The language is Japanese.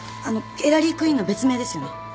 あのエラリー・クイーンの別名ですよね？